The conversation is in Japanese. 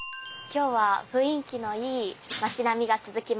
今日は雰囲気のいい町並みが続きますね。